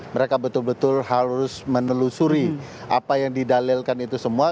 mereka betul betul harus menelusuri apa yang didalilkan itu semua